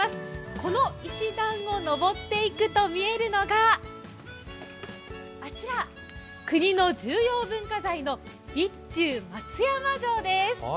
この石段を上っていくと見えるのがあちら、国の重要文化財の備中松山城です。